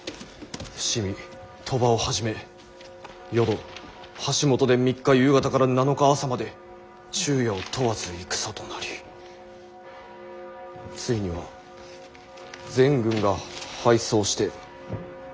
「伏見鳥羽をはじめ淀橋本で３日夕方から７日朝まで昼夜を問わず戦となりついには全軍が敗走して枚方守口まで撤退」。